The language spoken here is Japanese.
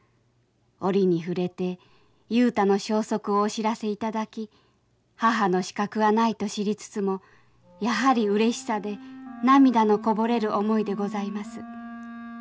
折にふれて雄太の消息をお知らせいただき母の資格はないと知りつつもやはりうれしさで涙のこぼれる思いでございます。